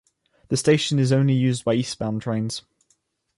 The station is used only by eastbound trains.